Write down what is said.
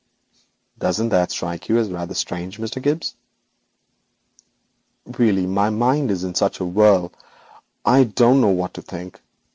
'Doesn't that strike you as rather strange, Mr. Gibbes?' 'Really my mind is in such a whirl, I don't know what to think.